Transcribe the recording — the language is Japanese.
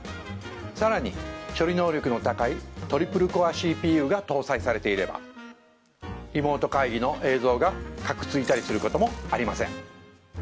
さらに処理能力の高いトリプルコアＣＰＵが搭載されていればリモート会議の映像がカクついたりすることもありません